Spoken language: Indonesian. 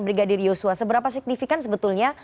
brigadir yosua seberapa signifikan sebetulnya